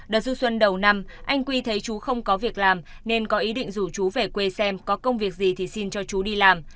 đợt du xuân đầu năm anh quy thấy chú không có việc làm nên có ý định rủ chú về quê xem có công việc gì thì xin cho chú đi làm